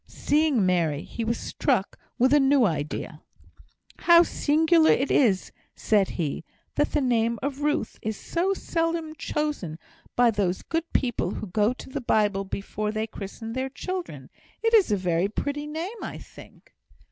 Seeing Mary, he was struck with a new idea. "How singular it is," said he, "that the name of Ruth is so seldom chosen by those good people who go to the Bible before they christen their children. It is a pretty name, I think."